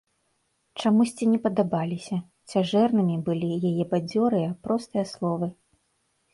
Чамусьці не падабаліся, цяжэрнымі былі яе бадзёрыя, простыя словы.